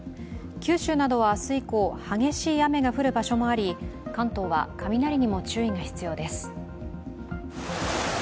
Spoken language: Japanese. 九州などは明日以降、激しい雨が降る場所もあり、関東は雷にも注意が必要です。